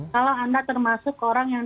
kalau anda termasuk orang yang